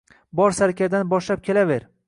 Bor sarkardani boshlab kelaver.